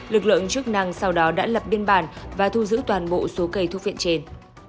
lực lượng chức năng sau đó đã lập biên bản và thu giữ toàn bộ số cây thuốc viện trên